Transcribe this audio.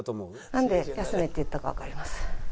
なんで休めって言ったかわかります？